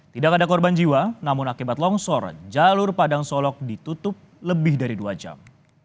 tidak ada korban jiwa namun akibat longsor jalur padang solok ditutup lebih dari dua jam